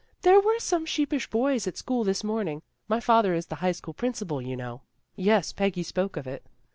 " There were some sheepish boys at school this morning. My father is the high school principal, you know." " Yes, Peggy spoke of it."